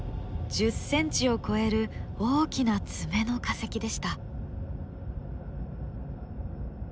１０ｃｍを超える大きな爪の化石でした。